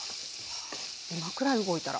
はあ今くらい動いたら。